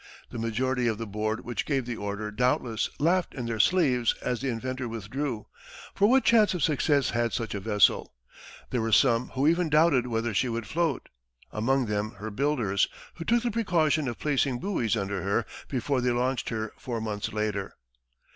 The majority of the board which gave the order doubtless laughed in their sleeves as the inventor withdrew, for what chance of success had such a vessel? There were some who even doubted whether she would float among them her builders, who took the precaution of placing buoys under her before they launched her four months later.